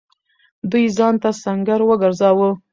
دوی ځان ته سنګر وگرځاوه.